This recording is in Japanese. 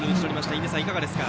印出さん、いかがですか？